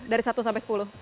dari satu sampai sepuluh